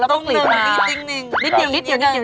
แล้วต้องกรีดมาต้องกรีดมาต้องกรีดจริง